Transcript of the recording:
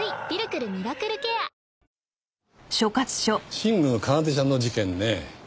新宮奏ちゃんの事件ねえ。